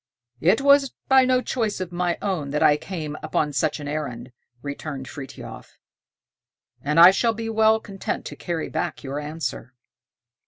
"It was by no choice of my own that I came upon such an errand," returned Frithiof, "and I shall be well content to carry back your answer."